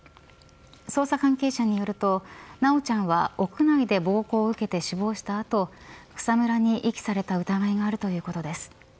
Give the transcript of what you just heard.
捜査関係者によると、修ちゃんは屋内で暴行を受けて死亡した後草むらに遺棄された疑いがあるということです。